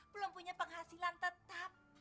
belum punya penghasilan tetap